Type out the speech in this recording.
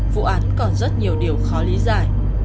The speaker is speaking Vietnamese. vụ án còn rất nhiều điều khó lý giải